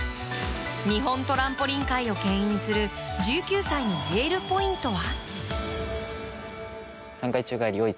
日本トランポリン界を牽引する１９歳のエールポイントは？